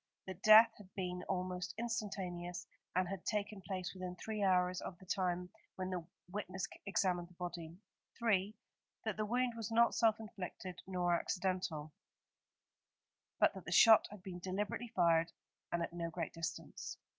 That death had been almost instantaneous, and had taken place within three hours of the time when the witness examined the body. 3. That the wound was not self inflicted nor accidental; but that the shot had been deliberately fired and at no great distance.